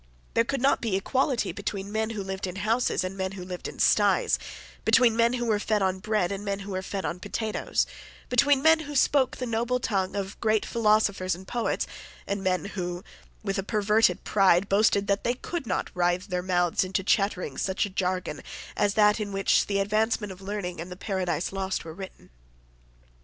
There could not be equality between men who lived in houses and men who lived in sties, between men who were fed on bread and men who were fed on potatoes, between men who spoke the noble tongue of great philosophers and poets and men who, with a perverted pride, boasted that they could not writhe their mouths into chattering such a jargon as that in which the Advancement of Learning and the Paradise Lost were written.